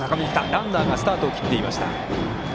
ランナーがスタートを切っていました。